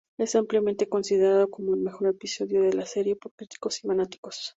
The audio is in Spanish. Es ampliamente considerado como el mejor episodio de la serie por críticos y fanáticos.